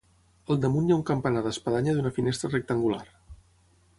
Al damunt hi ha un campanar d'espadanya d'una finestra rectangular.